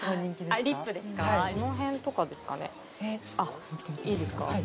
この辺とかですかねえっちょっといいですか？